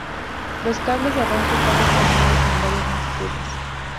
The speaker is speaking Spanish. Los cables de arranque están disponibles en varias longitudes.